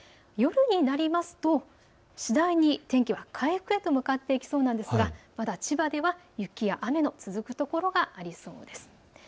夜になりますと次第に天気は回復へと向かいそうなんですがまだ千葉では雪や雨の続く所がありそうです。